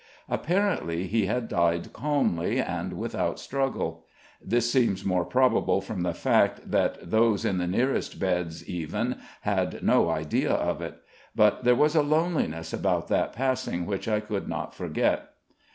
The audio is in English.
Apparently he had died calmly and without struggle; this seemed more probable from the fact that those in the nearest beds, even, had no idea of it; but there was a loneliness about that passing which I could not forget.